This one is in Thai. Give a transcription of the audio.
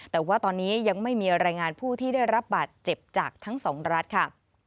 แต่ว่าตอนนี้ยังไม่มีรายงานผู้ที่ได้รับบาดเจ็บจากทั้งสองรัฐค่ะ